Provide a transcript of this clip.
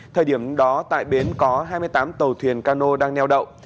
thời điểm đó tại bến có hai mươi tám tàu thuyền cano đang neo đậu